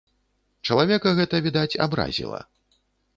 Чалавека гэта, відаць, абразіла.